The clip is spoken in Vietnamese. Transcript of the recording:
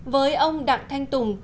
với ông đặng thanh tùng